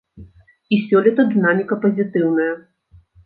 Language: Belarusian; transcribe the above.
І сёлета дынаміка пазітыўная.